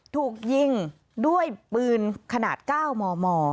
ถูกยิงด้วยปืนขนาด๙มม